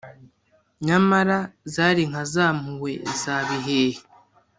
Nyamara zari nka za mpuhwe za Bihehe